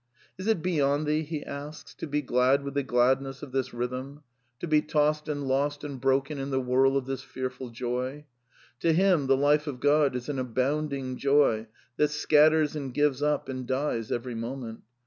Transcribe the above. " Is it beyond thee," he asks, " to be glad with the glad ness of this rhythm ? to be tossed and lost and broken in the whirl of this fearful joy ?" To him the life of God is an " abounding joy that scatters and gives up and dies every moment."